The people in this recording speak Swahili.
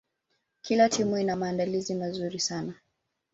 kila timu ina maandalizi mazuri sana